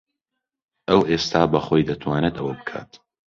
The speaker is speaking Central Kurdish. ئەو ئێستا بەخۆی دەتوانێت ئەوە بکات.